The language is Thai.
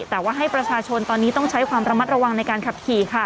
แต่ว่าให้ประชาชนตอนนี้ต้องใช้ความระมัดระวังในการขับขี่ค่ะ